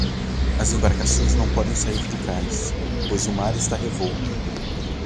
As embarcações não podem sair do cais, pois o mar está revolto.